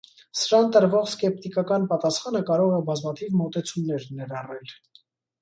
Սրան տրվող սկեպտիկական պատասխանը կարող է բազմաթիվ մոտեցումներ ներառել։